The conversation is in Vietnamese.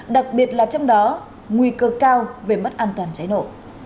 đặc biệt là trong đó nguy cơ cao về mất an toàn cháy nổ